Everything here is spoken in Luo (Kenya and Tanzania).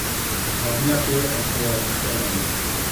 Lok nyathi ochuo siandane